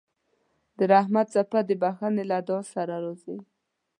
د رحمت څپه د بښنې له دعا سره راځي.